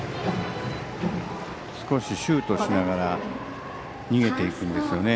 少しシュートしながら逃げていくんですよね。